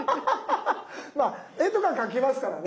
まあ絵とか描きますからね。